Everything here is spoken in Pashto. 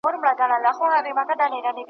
چي نه سوځم نه ایره سوم لا د شپو سینې څیرمه .